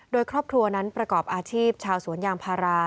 โดยครอบครัวนั้นประกอบอาชีพชาวสวนยางพารา